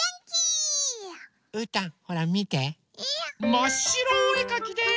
まっしろおえかきです！